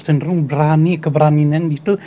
cenderung berani keberanian itu